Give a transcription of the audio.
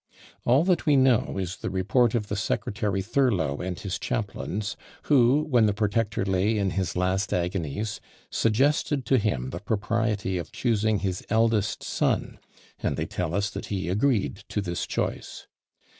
All that we know is the report of the Secretary Thurlow and his chaplains, who, when the protector lay in his last agonies, suggested to him the propriety of choosing his eldest son, and they tell us that he agreed to this choice.